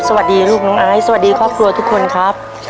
สวัสดีสวัสดีครอบครัวทุกคนครับ